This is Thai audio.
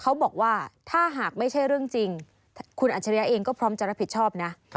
เขาบอกว่าถ้าหากไม่ใช่เรื่องจริงคุณอัจฉริยะเองก็พร้อมจะรับผิดชอบนะ